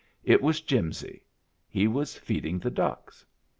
It was Jimsy, He was feeding the ducks.